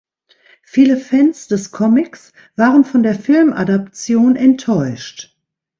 Viele Fans des Comics waren von der Film-Adaption enttäuscht.